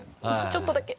ちょっとだけ。